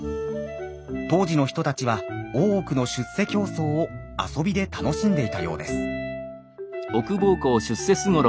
当時の人たちは大奥の出世競争を遊びで楽しんでいたようです。